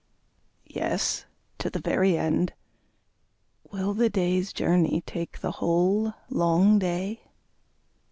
Yes, to the very end. Will the day's journey take the whole long day?